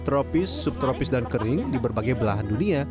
lidah buaya yang terapis subtropis dan kering di berbagai belahan dunia